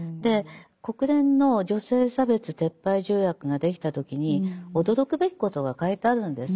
国連の女性差別撤廃条約ができた時に驚くべきことが書いてあるんです。